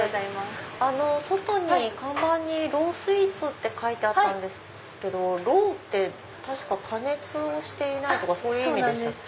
外に看板にＲＡＷＳＷＥＥＴＳって書いてあったんですけどローって加熱をしていないとかそういう意味でしたっけ？